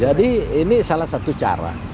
jadi ini salah satu cara